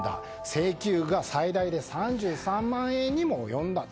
請求は最大で３３万円にも及んだ。